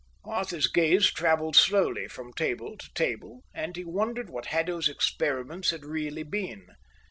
Arthur's gaze travelled slowly from table to table, and he wondered what Haddo's experiments had really been.